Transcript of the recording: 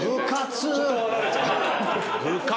部活⁉